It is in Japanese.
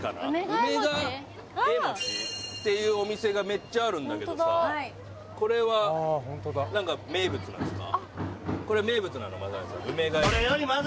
「梅ヶ枝餅」っていうお店がめっちゃあるんだけどさこれは何か名物なんですか？